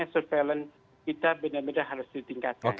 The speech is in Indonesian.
dan surveillance kita benar benar harus ditingkatkan